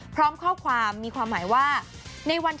พร้อมข้อมกันอยู่ความหมายว่า